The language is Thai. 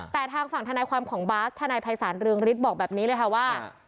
แต่ทางฝั่งธนายความของบาสทนายภัยศาลเรืองฤทธิ์บอกแบบนี้เลยค่ะว่า